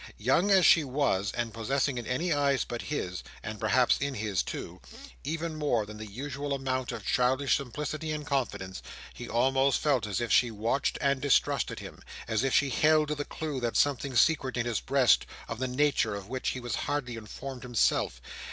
Young as she was, and possessing in any eyes but his (and perhaps in his too) even more than the usual amount of childish simplicity and confidence, he almost felt as if she watched and distrusted him. As if she held the clue to something secret in his breast, of the nature of which he was hardly informed himself.